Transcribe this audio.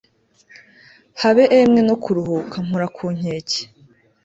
habe emwe no kuruhuka, mpora ku nkeke